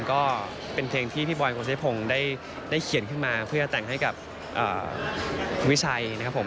ก็เป็นเพลงที่พี่บอยคุณชัยพงศ์ได้เขียนขึ้นมาเพื่อแต่งให้กับวิชัยนะครับผม